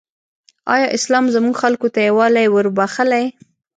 ایا اسلام زموږ خلکو ته یووالی وروباخښلی؟